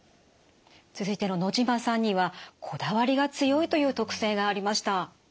続いての野島さんにはこだわりが強いという特性がありました。